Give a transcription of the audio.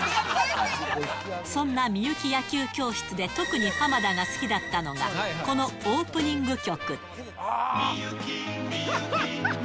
そんなミユキ野球教室で、特に浜田が好きだったのが、このオープニング曲。